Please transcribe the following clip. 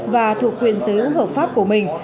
và thuộc quyền sử dụng hợp pháp của mình